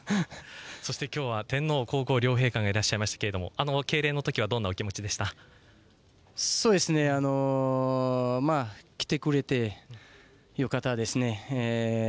そして、今日は天皇・皇后両陛下がいらっしゃいましたけど敬礼のときはどんなお気持ちでした？来てくれてよかったですね。